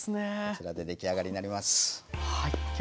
はい。